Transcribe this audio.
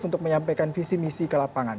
untuk menyampaikan visi misi ke lapangan